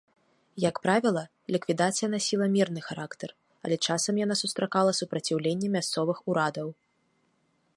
Як правіла, ліквідацыя насіла мірны характар, але часам яна сустракала супраціўленне мясцовых урадаў.